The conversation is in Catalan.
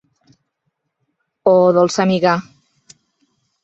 -Oh, dolça amiga!